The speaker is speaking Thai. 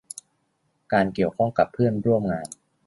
การเกี่ยวข้องกับเพื่อนร่วมงาน